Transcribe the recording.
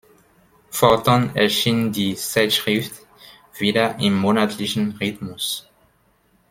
Fortan erschien die Zeitschrift wieder im monatlichen Rhythmus.